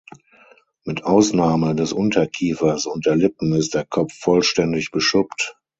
Mit Ausnahme des Unterkiefers und der Lippen ist der Kopf vollständig beschuppt.